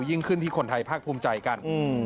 ยิ่งขึ้นที่คนไทยภาคภูมิใจกัน